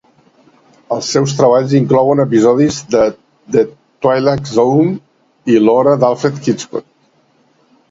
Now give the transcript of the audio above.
Els seus treballs inclouen episodis de "The Twilight Zone" i "L'hora d'Alfred Hitchcock".